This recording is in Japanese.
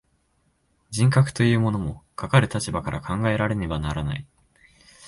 人格というものも、かかる立場から考えられねばならない。